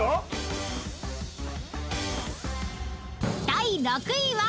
［第６位は？］